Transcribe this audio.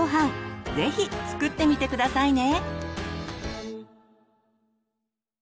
ぜひ作ってみて下さいね。